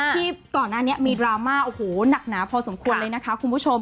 ที่ก่อนหน้านี้มีดราม่าโอ้โหหนักหนาพอสมควรเลยนะคะคุณผู้ชม